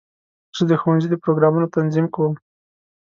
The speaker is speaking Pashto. زه د ښوونځي د پروګرامونو تنظیم کوم.